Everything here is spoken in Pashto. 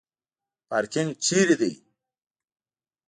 پارکینګ چیرته دی؟